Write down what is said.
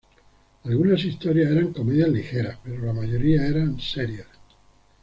Algunas historias eran comedias ligeras, pero la mayoría eran serias.